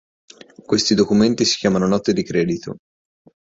Questi documenti si chiamano note di credito.